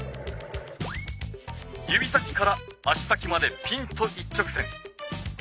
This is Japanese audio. ゆび先から足先までピンと一直線。